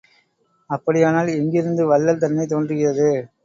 அப்படியானால், எங்கிருந்து வள்ளல் தன்மை தோன்றுகிறது?